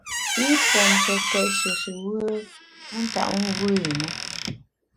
I puomshekét shishùbùe a ntap mvùe i na.